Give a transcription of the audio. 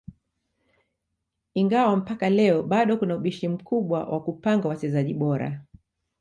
Ingawa mpaka leo bado kuna ubishi mkubwa wa kupanga wachezaji bora